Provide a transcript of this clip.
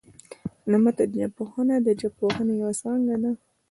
د متن ژبپوهنه، د ژبپوهني یوه څانګه ده.